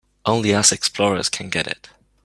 Only us explorers can get it.